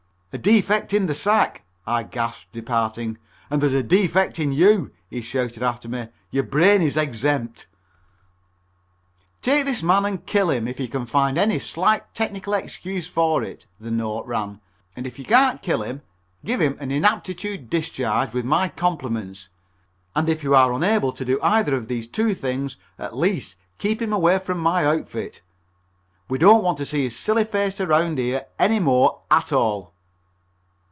"A defect in the sack," I gasped, departing. "And there's a defect in you," he shouted after me, "your brain is exempted." "Take this man and kill him if you can find any slight technical excuse for it," the note ran, "and if you can't kill him, give him an inaptitude discharge with my compliments, and if you are unable to do either of these two things, at least keep him away from my outfit. We don't want to see his silly face around here any more at all."